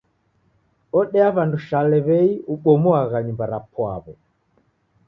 Odea w'andu shale w'ei ubomuagha nyumba rapwaw'o.